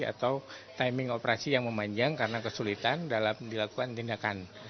atau timing operasi yang memanjang karena kesulitan dalam dilakukan tindakan